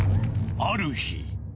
ある日。